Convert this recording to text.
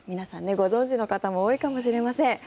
ご存じの方も多いかもしれません。